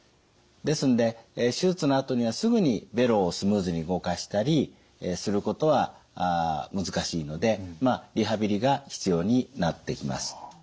ですので手術のあとにはすぐにベロをスムーズに動かしたりすることは難しいのでリハビリが必要になってきます。